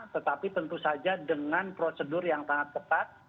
tetapi tentu saja dengan prosedur yang sangat ketat